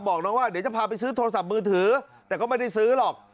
บอกน้องว่าเดี๋ยวจะพาไปซื้อโทรศัพท์มือถือแต่ก็ไม่ได้ซื้อหรอก